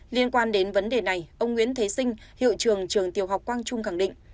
liên quan đến vấn đề này ông nguyễn thế sinh hiệu trường trường tiểu học quang trung khẳng định